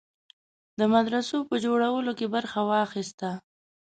د مدرسو په جوړولو کې برخه واخیسته.